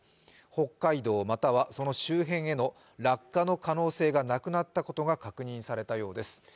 北海道またはその周辺への落下の可能性がなくなったことが確認されたようです。